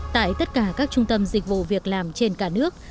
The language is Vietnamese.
tại tất cả các trung tâm dịch vụ việc làm trên cả nước